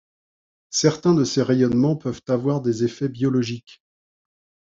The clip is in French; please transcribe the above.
Certains de ces rayonnements peuvent avoir des effets biologiques.